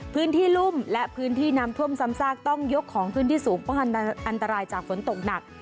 รุ่มและพื้นที่น้ำท่วมซ้ำซากต้องยกของขึ้นที่สูงป้องกันอันตรายจากฝนตกหนัก